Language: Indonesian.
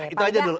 itu aja dulu